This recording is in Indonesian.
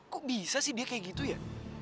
kok bisa sih dia kayak gitu ya